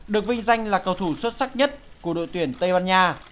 được vinh danh là cầu thủ xuất sắc nhất của đội tuyển tây ban nha